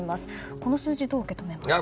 この数字、どう受け止めますか？